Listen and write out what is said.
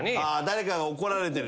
誰かが怒られてる。